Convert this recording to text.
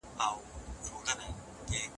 پانګوال د تولید په کچه پخپله پریکړه کوي.